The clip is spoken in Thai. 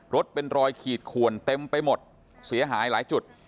รถเป็นรอยขีดขวนเต็มไปหมดเสียหายหลายจุด